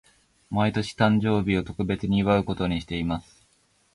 毎年、誕生日を特別に祝うことにしています。